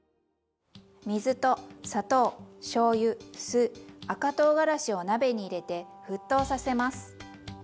水と砂糖しょうゆ酢赤とうがらしを鍋に入れて沸騰させます。